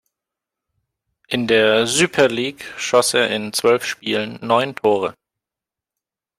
In der Süper Lig schoss er in zwölf Spielen neun Tore.